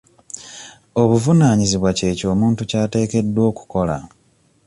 Obuvunaanyizibwa ky'eyo omuntu ky'ateekeddwa okukola.